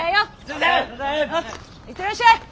うん行ってらっしゃい！